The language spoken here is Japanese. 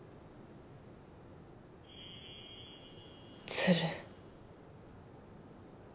鶴。